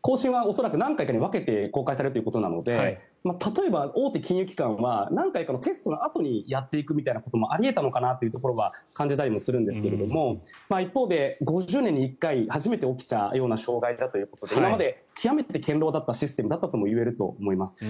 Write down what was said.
更新は恐らく何回かに分けて更改されるということなので例えば大手金融機関は何回かのテストのあとにやっていくみたいなこともあり得たのかなというところは感じたりもしたんですけど一方で５０年に１回初めて起きたような障害だということで今まで極めて堅牢だったシステムともいえると思います。